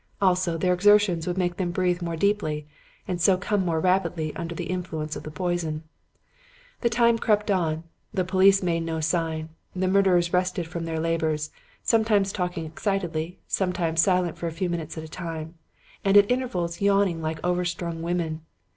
Also, their exertions would make them breathe more deeply and so come more rapidly under the influence of the poison. "The time crept on; the police made no sign; the murderers rested from their labors, sometimes talking excitedly, sometimes silent for minutes at a time, and at intervals yawning like overstrung women.